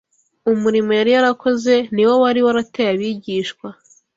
Umurimo yari yarakoze ni wo wari warateye abigishwa